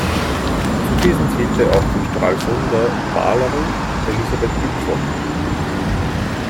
Zu diesen zählte auch die Stralsunder Malerin Elisabeth Büchsel.